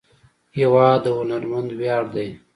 هېواد د هنرمند ویاړ دی.